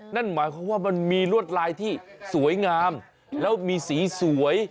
นั่นหมายความว่ามันมีลวดลายที่สวยงามแล้วมีสีสวย